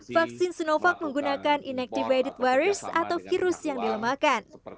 vaksin sinovac menggunakan inactivated virus atau virus yang dilemahkan